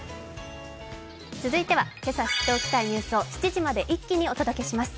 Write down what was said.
続いては今朝知っておきたいニュースを７時までに一気にお届けします。